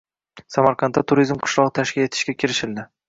Samarqandda “Turizm qishlogʻi” tashkil etishga kirishildi